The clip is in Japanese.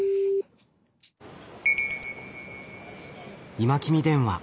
「今君電話」。